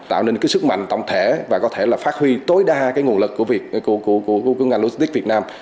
tạo nên sức mạnh tổng thể và có thể phát huy tối đa nguồn lực của ngành logistics việt nam